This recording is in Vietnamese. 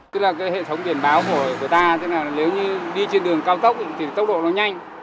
tức là cái hệ thống biển báo của ta tức là nếu như đi trên đường cao tốc thì tốc độ nó nhanh